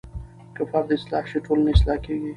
که فرد اصلاح شي ټولنه اصلاح کیږي.